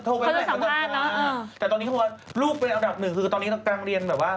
ตอนนี้เค้าว่าลูกเป็นอันดับ๑ตอนนี้กลางเรียนแบบว่า